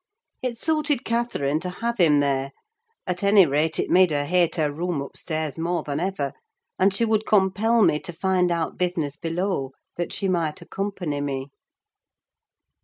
It suited Catherine to have him there: at any rate, it made her hate her room upstairs more than ever: and she would compel me to find out business below, that she might accompany me.